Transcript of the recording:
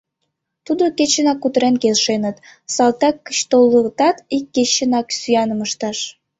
Тудо кечынак кутырен келшеныт: салтак гыч толытат, ик кечынак сӱаным ышташ.